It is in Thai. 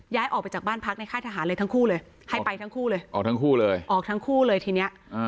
ย้ายออกไปจากบ้านพักในค่ายทหารเลยทั้งคู่เลยให้ไปทั้งคู่เลยออกทั้งคู่เลยออกทั้งคู่เลยทีเนี้ย